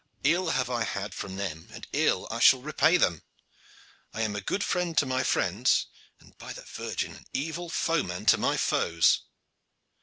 "Ill have I had from them, and ill I shall repay them. I am a good friend to my friends, and, by the Virgin! an evil foeman to my foes."